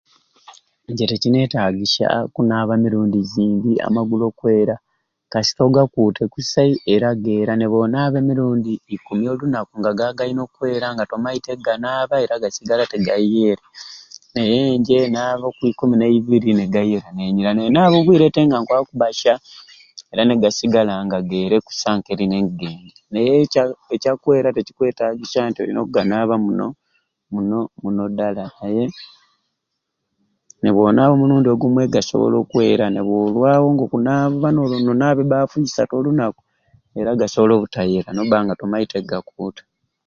Nje tikinetagisya kunaaba mirundi zingi amagulu okwera kasita ogakuute kusai era geera nebwonaaba emirundi ikumi olunaku nga gaine okwera nga tomaite ganaaba era gasigala tegaere naye nje naaba okwikumi n'eibiri nigaera ninyira nibaaba obwiire te nga nkwaba okubbasya era negasigala nga geere kusa engeri nigendyamu naye ekya ekyakwera tikikwetagisya ntivolina okuganaaba omuno muno muno ddala nebwonaaba o mirundi ogumwe gasobola okwera nebworwawo ng'okunaaba n'onaaba ebaafu isatu olunaku era gasobola obutaera nobba nga tomaite gakuuta